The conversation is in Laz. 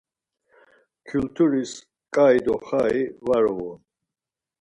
Kyulturis ǩai do xai var uğun.